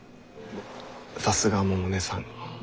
さすが百音さん。